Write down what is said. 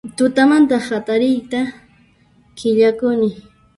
Tutamanta hatariyta qillakuni